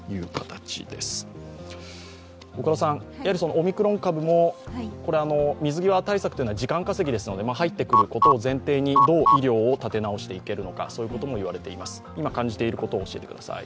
オミクロン株も水際対策というのは時間稼ぎですので入ってくることを前提にどう医療をたて直していけるのか、そういうことも言われています感じていることを教えてください。